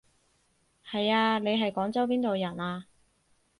係啊，你係廣州邊度人啊？